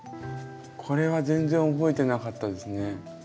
これは全然覚えてなかったですね。